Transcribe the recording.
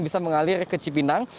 bisa mengalir ke cipinang